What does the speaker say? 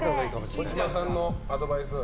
児嶋さんのアドバイス。